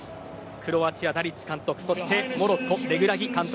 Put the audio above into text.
クロアチア、ダリッチ監督そしてモロッコ、レグラギ監督。